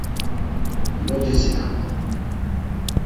Mot isinapam.